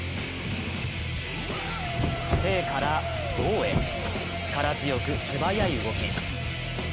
静から動へ、力強く素早い動き。